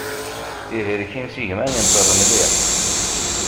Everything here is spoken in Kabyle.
Ihlek imsigman, inṭer mliḥ.